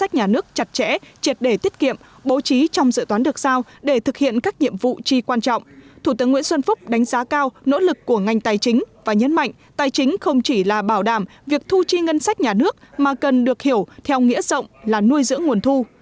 thủ tướng nguyễn xuân phúc đánh giá cao nỗ lực của ngành tài chính và nhấn mạnh tài chính không chỉ là bảo đảm việc thu chi ngân sách nhà nước mà cần được hiểu theo nghĩa rộng là nuôi dưỡng nguồn thu